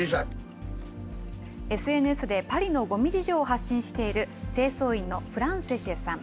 ＳＮＳでパリのごみ事情を発信している清掃員のフランセシェさん。